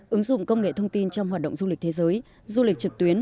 ứng dụng công nghệ thông tin trong hoạt động du lịch thế giới du lịch trực tuyến